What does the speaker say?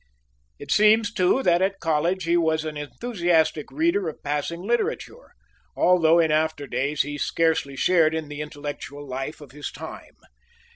It seems, too, that at college he was an enthusiastic reader of passing literature, although in after days he scarcely shared in the intellectual life of his time.